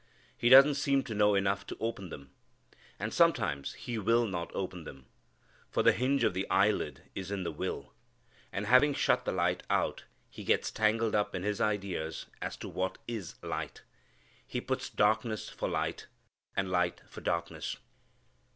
He doesn't seem to know enough to open them. And sometimes he will not open them. For the hinge of the eyelid is in the will. And having shut the light out, he gets tangled up in his ideas as to what is light. He puts darkness for light, and light for darkness.